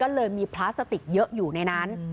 ก็เลยมีพลาสติกเยอะอยู่ในนั้น